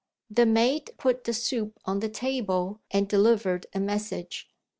The maid put the soup on the table, and delivered a message.